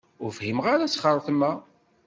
Ur fhimeɣ ara asxertem-a.